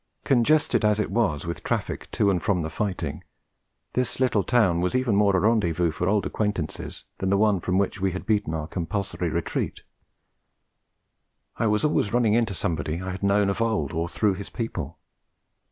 Congested as it was with traffic to and from the fighting, this little town was even more a rendezvous for old acquaintance than the one from which we had beaten our compulsory retreat. I was always running into somebody I had known of old or through his people.